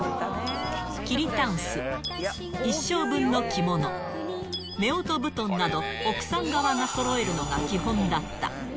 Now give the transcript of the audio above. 桐たんす、一生分の着物、夫婦布団など奥さん側がそろえるのが基本だった。